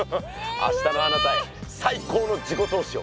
明日のあなたへ最高の自己投資を！